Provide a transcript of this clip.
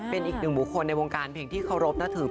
เป็นอีกหนึ่งบุคคลในวงการเพลงที่โขรบทุบ